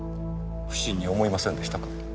不審に思いませんでしたか？